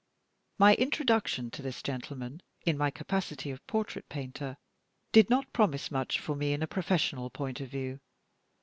My introduction to this gentleman, in my capacity of portrait painter, did not promise much for me in a professional point of view.